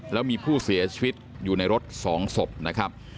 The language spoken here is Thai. แล้วมีผู้เสียชีวิตอยู่ในรถ๒ศพนะครับ